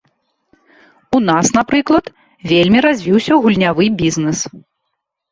У нас, напрыклад, вельмі развіўся гульнявы бізнэс.